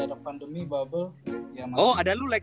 oh ada lu like